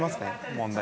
問題。